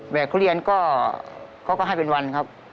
ทุเรียนก็เขาก็ให้เป็นวันครับ